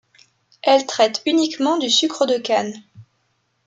Elle traite uniquement du sucre de canne.